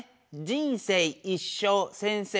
「人生」「一生」「先生」。